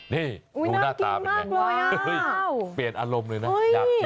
นี่ดูหน้าตาเป็นไงเปลี่ยนอารมณ์เลยนะยาก